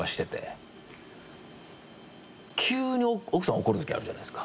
急に奥さんが怒る時あるじゃないですか。